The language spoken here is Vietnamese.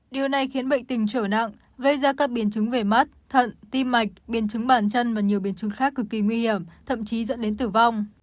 điều này khiến bệnh tình trở nặng gây ra các biến chứng về mắt thận tim mạch biến chứng bản chân và nhiều biến chứng khác cực kỳ nguy hiểm thậm chí dẫn đến tử vong